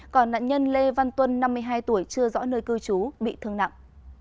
còn nạn nhân lê văn tuân năm mươi hai tuổi chưa rõ nơi cư trú bị thương nặng